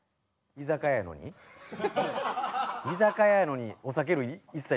居酒屋やのにお酒類一切。